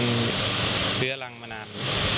มันเรื้อรังมานาน